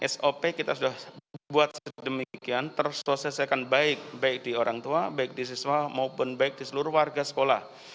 sop kita sudah buat sedemikian tersosiasikan baik baik di orang tua baik di siswa maupun baik di seluruh warga sekolah